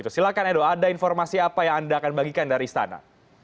silahkan edo ada informasi apa yang anda akan bagikan dari istana